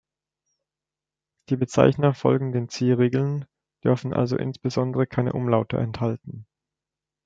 Die Bezeichner folgen den C-Regeln, dürfen also insbesondere keine Umlaute enthalten.